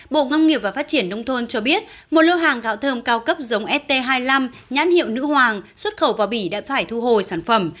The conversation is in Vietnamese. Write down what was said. bộ nông nghiệp và phát triển nông thôn cho biết một lô hàng gạo thơm cao cấp giống st hai mươi năm nhãn hiệu nữ hoàng xuất khẩu vào bỉ đã phải thu hồi sản phẩm